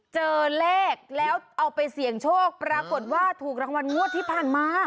เจอเลขแล้วเอาไปเสี่ยงโชคปรากฏว่าถูกรางวัลงวดที่ผ่านมา